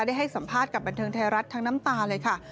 ได้ให้สัมภาษณ์กับบันเทิงไทยรัฐทั้งน้ำตาเลยค่ะ